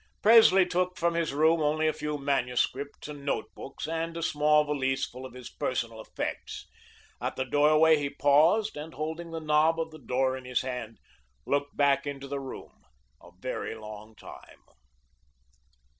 Presley took from his room only a few manuscripts and note books, and a small valise full of his personal effects; at the doorway he paused and, holding the knob of the door in his hand, looked back into the room a very long time.